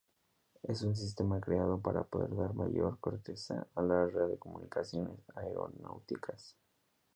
Es un sistema creado para poder dar mayor certeza a las radiocomunicaciones aeronáuticas.